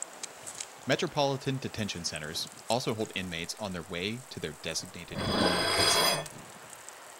Metropolitan Detention Centers also hold inmates on their way to their designated 'home' prison.